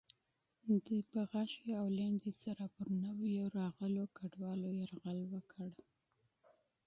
دوی په غشي او لیندۍ سره پر نویو راغلو کډوالو یرغل وکړ.